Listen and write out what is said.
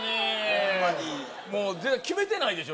ホンマにもう決めてないでしょ